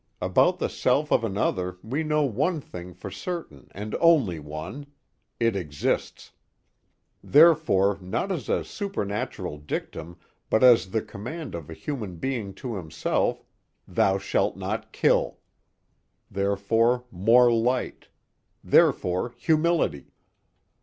About the self of another we know one thing for certain and only one: it exists. Therefore, not as a supernatural dictum but as the command of a human being to himself: Thou shalt not kill. Therefore, more light! Therefore, humility.